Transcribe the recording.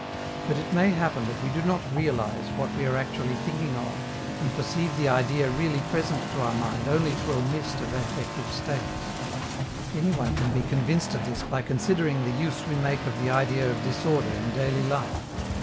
But it may happen that we do not realize what we are actually thinking of, and perceive the idea really present to our mind only through a mist of affective states. Any one can be convinced of this by considering the use we make of the idea of disorder in daily life.